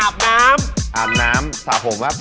ใช่หาแซบ